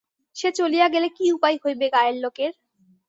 সে চলিয়া গেলে কী উপায় হইবে গায়ের লোকের?